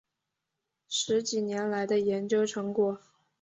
十几年来的研究成果